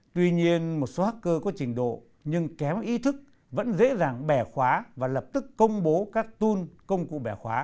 tuy nhiên một số hacker có trình độ nhưng kém ý thức vẫn dễ dàng bẻ khóa và lập tức công bố các tool công cụ bẻ khóa